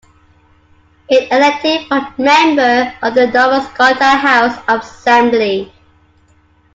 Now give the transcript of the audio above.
It elected one member of the Nova Scotia House of Assembly.